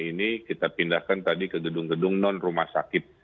ini kita pindahkan tadi ke gedung gedung non rumah sakit